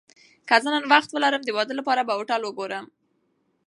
که زه نن وخت ولرم، د واده لپاره به هوټل وګورم.